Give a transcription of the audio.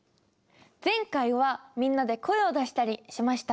前回はみんなで声を出したりしました。